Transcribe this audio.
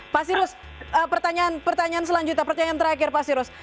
pak sirus pertanyaan selanjutnya pertanyaan terakhir pak sirus